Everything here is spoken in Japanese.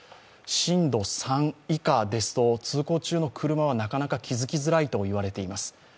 震度３以下ですと、通行中の車はなかなか気付きづらいと言われています。